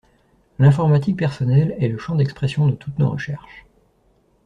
L’informatique personnelle est le champ d’expression de toutes nos recherches.